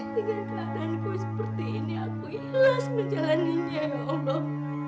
dengan keadaanku seperti ini aku ilhas menjalannya ya allah